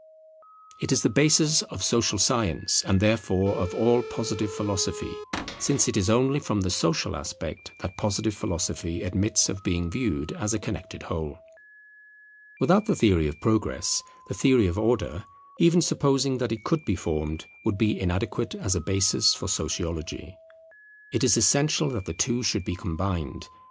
It is the basis of social science and therefore of all Positive Philosophy; since it is only from the social aspect that Positive Philosophy admits of being viewed as a connected whole. Without the theory of Progress, the theory of Order, even supposing that it could be formed, would be inadequate as a basis for Sociology. It is essential that the two should be combined.